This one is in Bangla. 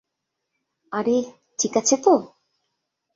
আরে, ঠিক আছে তো?